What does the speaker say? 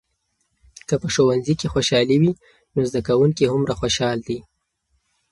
که په ښوونځي کې خوشالي وي، نو زده کوونکي هومره خوشحال دي.